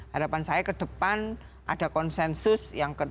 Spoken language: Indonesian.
harapan saya ke depan ada konsensus yang kedua